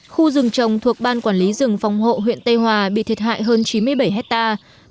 khu rừng trồng thuộc ban quản lý rừng phòng hộ huyện tây hòa bị thiệt hại hơn chín mươi bảy hectare